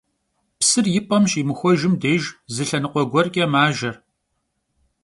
Psır yi p'em şimıxuejjım dêjj, zı lhenıkhue guerç'e majje.